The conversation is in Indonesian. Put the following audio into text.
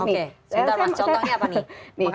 oke sebentar mas contohnya apa nih